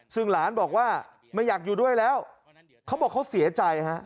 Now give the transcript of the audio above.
ซึ่งหลานบอกว่าไม่อยากอยู่ด้วยแล้วเขาบอกเขาเสียใจฮะ